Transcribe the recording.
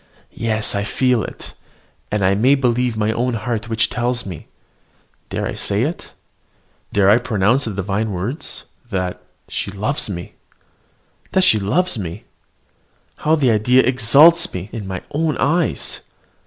Yes, I feel it; and I may believe my own heart which tells me dare I say it? dare I pronounce the divine words? that she loves me! That she loves me! How the idea exalts me in my own eyes!